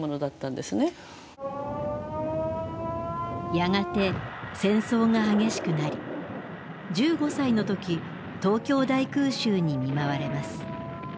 やがて戦争が激しくなり１５歳の時東京大空襲に見舞われます。